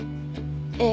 ええ。